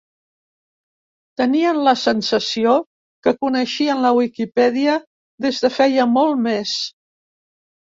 Tenien la sensació que coneixien la Wikipedia des de feia molt més.